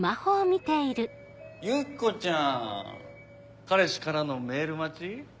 ユキコちゃん彼氏からのメール待ち？